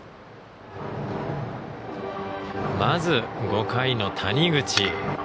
まず、５回の谷口。